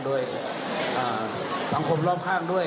โดยสังคมรอบข้างด้วย